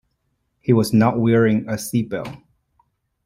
He was not wearing a seat belt.